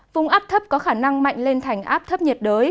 vùng áp thấp có khả năng mạnh lên thành áp thấp nhiệt đới